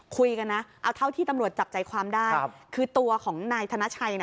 คุยกันนะเอาเท่าที่ตำรวจจับใจความได้คือตัวของนายธนชัย